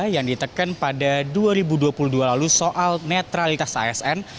yang diteken pada dua ribu dua puluh dua lalu soal netralitas asn